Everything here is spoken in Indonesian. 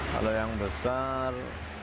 kalau yang besar